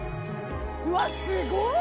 うわっすごい！